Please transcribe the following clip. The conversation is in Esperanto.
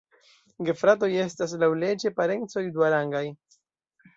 Gefratoj estas laŭleĝe parencoj duarangaj.